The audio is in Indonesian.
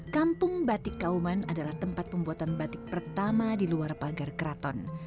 kampung batik kauman adalah tempat pembuatan batik pertama di luar pagar keraton